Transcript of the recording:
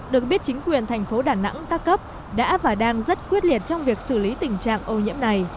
được biết chính quyền thành phố đà nẵng ca cấp đã và đang rất quyết liệt trong việc xử lý tình trạng ô nhiễm này